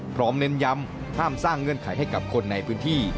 เน้นย้ำห้ามสร้างเงื่อนไขให้กับคนในพื้นที่